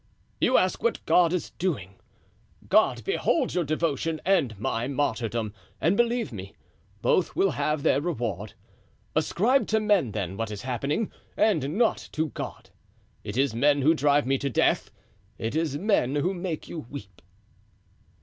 You ask what God is doing. God beholds your devotion and my martyrdom, and believe me, both will have their reward. Ascribe to men, then, what is happening, and not to God. It is men who drive me to death; it is men who make you weep."